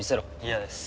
嫌です。